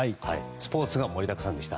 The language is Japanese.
スポーツが盛りだくさんでした。